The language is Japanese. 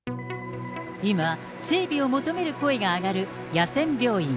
今、整備を求める声が上がる野戦病院。